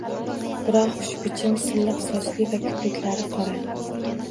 Biroq xushbichim, silliq sochli va kipriklari qora